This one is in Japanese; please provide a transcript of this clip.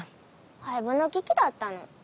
廃部の危機だったの。